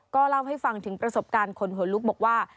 ก็เล่าให้ฟังถึงประสบการณ์คนหัวลุกบอกว่า